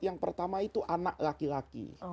yang pertama itu anak laki laki